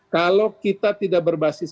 kalau kita tidak berbasis